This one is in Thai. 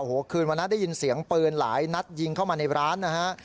โอ้โหคืนวันนั้นได้ยินเสียงปืนหลายนัดยิงเข้ามาในร้านนะฮะ